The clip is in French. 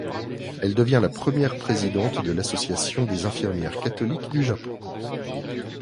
Elle devient la première présidente de l'association des infirmières catholiques du Japon.